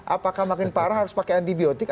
apakah makin parah harus pakai antibiotik